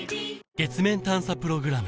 月面探査プログラム